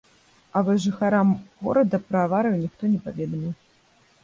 А вос жыхарам горада пра аварыю ніхто не паведаміў.